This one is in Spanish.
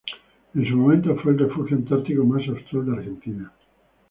En su momento fue el refugio antártico más austral de Argentina.